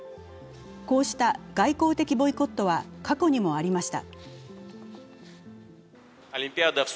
こうした外交的ボイコットは過去にもありました。